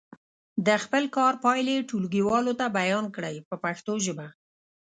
د خپل کار پایلې ټولګیوالو ته بیان کړئ په پښتو ژبه.